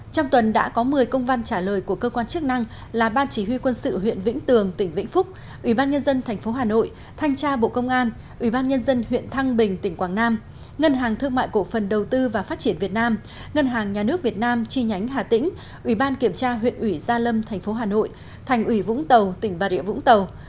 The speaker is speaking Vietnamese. trong tuần đã có một mươi công văn trả lời của cơ quan chức năng là ban chỉ huy quân sự huyện vĩnh tường tỉnh vĩnh phúc ủy ban nhân dân tp hà nội thanh tra bộ công an ủy ban nhân dân huyện thăng bình tỉnh quảng nam ngân hàng thương mại cổ phần đầu tư và phát triển việt nam ngân hàng nhà nước việt nam chi nhánh hà tĩnh ủy ban kiểm tra huyện ủy gia lâm tp hà nội thành ủy vũng tàu tỉnh bà rịa vũng tàu